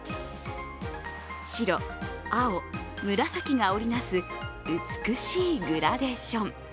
白、青、紫が織りなす美しいグラデーション。